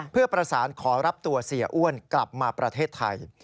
เพื่อประสานขอรับตัวเสียอ้วนกลับมาประเทศไทย